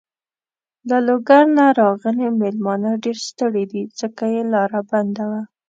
له لوګر نه راغلی مېلمانه ډېر ستړی دی. ځکه چې لاره بنده وه.